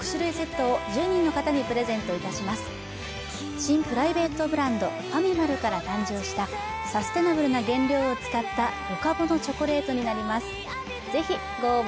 新プライベートブランド、ファミマルから誕生したサステナブルな原料を使ったロカボのチョコレートになります。